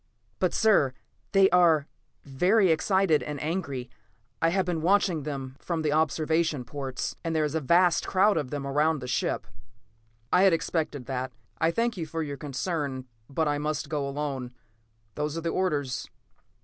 "But, sir, they are very excited and angry; I have been watching them from the observation ports. And there is a vast crowd of them around the ship." "I had expected that. I thank you for your concern, but I must go alone. Those are the orders.